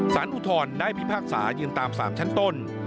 อุทธรณ์ได้พิพากษายืนตามสารชั้นต้น